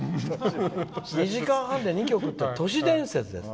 ２時間半で２曲っていうのは都市伝説です。